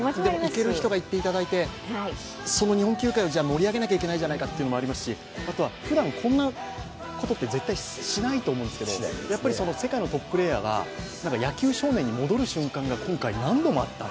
いける人がいっていただいて、日本球界を盛り上げなきゃいけないじゃないかということもありますしふだんこんなことって絶対しないと思うんですけど、世界のトッププレーヤーが野球少年に戻る瞬間が何度もあった。